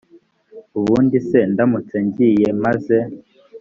ubundi se ndamutse ngiye maze